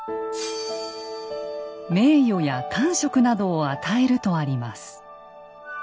名誉や官職などを与えるとあります。